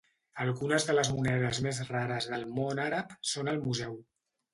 Algunes de les monedes més rares del món àrab són al museu.